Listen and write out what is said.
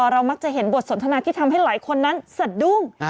เรามักจะเห็นบทสนทนาที่ทำให้หลายคนนั้นสะดุ้ง